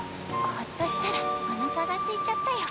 ホッとしたらおなかがすいちゃったよ。